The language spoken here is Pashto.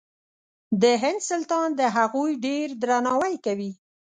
د هند سلطان د هغوی ډېر درناوی کوي.